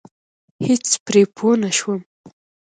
هېڅ پرې پوه نشوم.